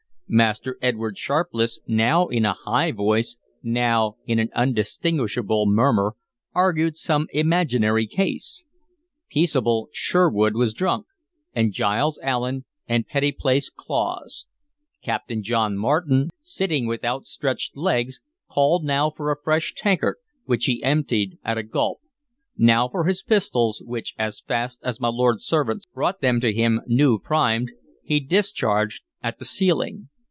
Master Edward Sharpless, now in a high voice, now in an undistinguishable murmur, argued some imaginary case. Peaceable Sherwood was drunk, and Giles Allen, and Pettiplace Clause. Captain John Martin, sitting with outstretched legs, called now for a fresh tankard, which he emptied at a gulp; now for his pistols, which, as fast as my lord's servants brought them to him new primed, he discharged at the ceiling.